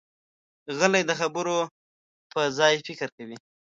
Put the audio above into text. غلی، د خبرو پر ځای فکر کوي.